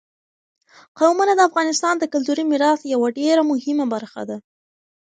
قومونه د افغانستان د کلتوري میراث یوه ډېره مهمه برخه ده.